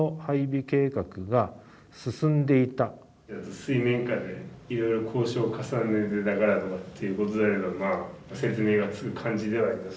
水面下でいろいろ交渉を重ねてたからとかっていうことであればまあ説明がつく感じではあります。